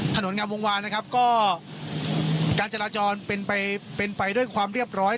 ถนนงามวงวานนะครับก็การจราจรเป็นไปเป็นไปด้วยความเรียบร้อย